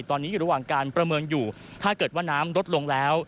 ตอนนี้อยู่ระหว่างการประเมินอยู่ถ้าเกิดว่าน้ำลดลงแล้ว